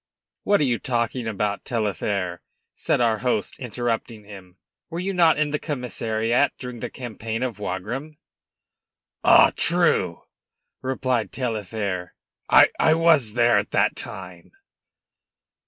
"What are you talking about, Taillefer"; said our host, interrupting him. "Were you not in the commissariat during the campaign of Wagram?" "Ah, true!" replied Taillefer, "I was there at that time."